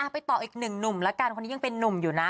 ไปต่ออีกหนึ่งหนุ่มแล้วกันคนนี้ยังเป็นนุ่มอยู่นะ